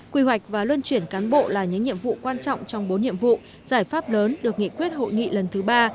quy hoạch và luân chuyển cán bộ là những nhiệm vụ quan trọng trong bốn nhiệm vụ giải pháp lớn được nghị quyết hội nghị lần thứ ba